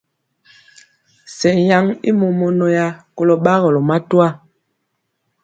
Sɛŋ yaŋ i mɔmɔnaa kolɔ gbagɔlɔ matwa.